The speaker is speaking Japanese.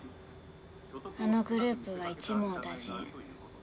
あのグループは一網打尽。